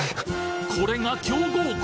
これが強豪校！